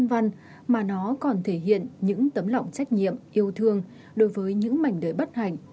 và nó còn thể hiện những tấm lòng trách nhiệm yêu thương đối với những mảnh đời bất hành